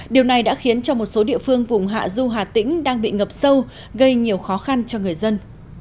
điều này đã khiến cho một số địa phương vùng hạ du hà tĩnh đang bị ngập sâu gây nhiều khó khăn cho người dân